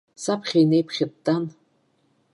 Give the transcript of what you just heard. Саԥхьа инеиԥхьыттан.